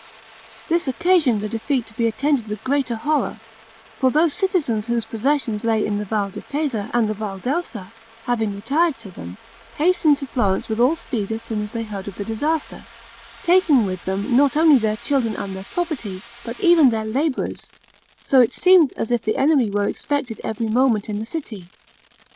This occasioned the defeat to be attended with greater horror; for those citizens whose possessions lay in the Val di Pesa and the Val d'Elsa, having retired to them, hastened to Florence with all speed as soon as they heard of the disaster, taking with them not only their children and their property, but even their laborers; so that it seemed as if the enemy were expected every moment in the city.